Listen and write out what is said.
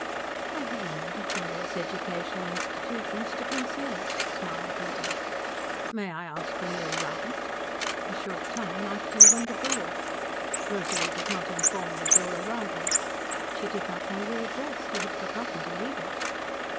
"I have learned at various educational institutions to conceal it," smiled Betty. "May I ask when you arrived?" "A short time after you went abroad." "Rosalie did not inform me of your arrival." "She did not know your address. You had forgotten to leave it."